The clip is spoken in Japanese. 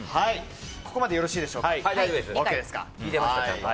ここまでよろしいでしょうか。